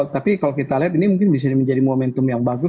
tapi kalau kita lihat ini mungkin bisa menjadi momentum yang bagus